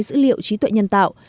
dữ liệu trí tuệ nhân tạo